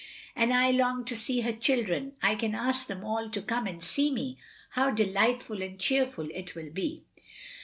And I long to see her children. I can ask them all to come and see me. How delightful and cheerful it will be."